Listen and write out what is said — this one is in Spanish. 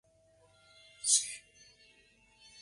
En el muro Norte existe otra aspillera en el parapeto superior.